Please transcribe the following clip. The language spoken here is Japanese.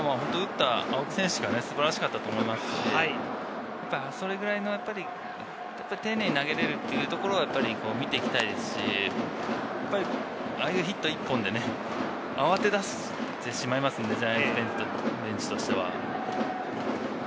今のは打った青木選手が素晴らしかったと思いますし、それくらいの丁寧に投げれるというのを見ていきたいですし、ああいうヒット一本で慌て出してしまいますんで、ジャイアンツベンチとしては。